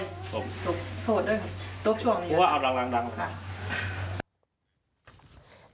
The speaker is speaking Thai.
เพราะว่าอัดรัง